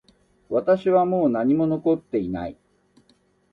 私にはもう何も残っていない